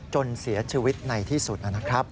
จนเสียชีวิตในที่สุดนะครับ